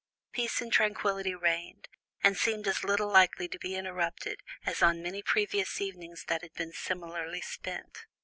Peace and tranquility reigned, and seemed as little likely to be interrupted as on many previous evenings that had been similarly spent.